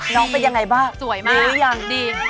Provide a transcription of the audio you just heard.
น้องเป็นยังไงบ้างสวยมาก